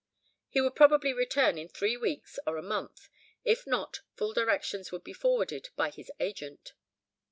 He would probably return in three weeks or a month; if not, full directions would be forwarded by his agent.